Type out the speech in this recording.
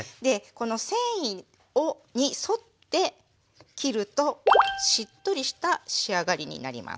この繊維に沿って切るとしっとりした仕上がりになります。